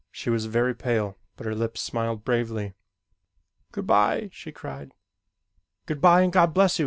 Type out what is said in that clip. She was very pale but her lips smiled bravely. "Good bye!" she cried. "Good bye, and God bless you!"